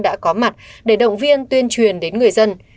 đã có mặt để động viên tuyên truyền đến người dân